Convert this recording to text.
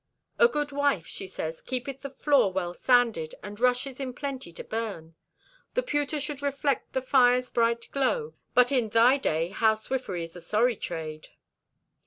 "A good wife," she says, "keepeth the floor well sanded and rushes in plenty to burn. The pewter should reflect the fire's bright glow; but in thy day housewifery is a sorry trade."